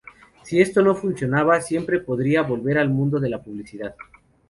Si esto no funcionaba siempre podría volver al mundo de la publicidad.